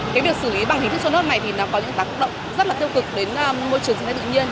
cái việc xử lý bằng hình thức trôn lớp này thì nó có những tác động rất là tiêu cực đến môi trường sinh thái tự nhiên